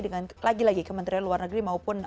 dengan lagi lagi kementerian luar negeri maupun